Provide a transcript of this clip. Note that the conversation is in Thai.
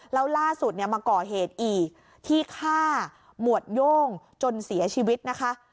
แล้วล่าสุดเนี่ยมาก่อเหตุอีกที่ฆ่าหมวดโย่งจนเสียชีวิตนะคะ